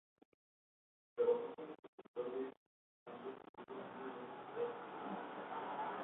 Trabajó como preceptor en San Petersburgo, antes de regresar Ginebra.